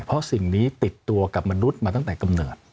เพราะสิ่งนี้ติดตัวกับมนุษย์มาตั้งแต่กำเนิด